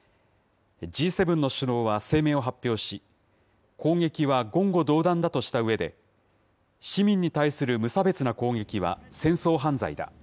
Ｇ７の首脳は声明を発表し、攻撃は言語道断だとしたうえで、市民に対する無差別な攻撃は戦争犯罪だ。